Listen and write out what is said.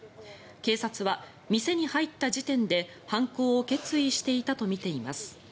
警察は店に入った時点で犯行を決意していたとみています。